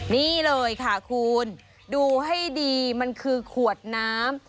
นี่เลยค่ะคุณดูให้ดีมันคือขวดน้ำ